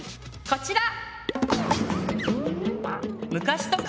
こちら！